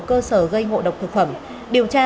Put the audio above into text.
cơ sở gây ngộ độc thực phẩm điều tra